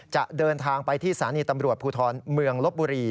จะเดินทางไปที่สถานีตำรวจภูทรเมืองลบบุรี